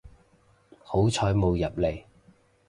好彩冇入嚟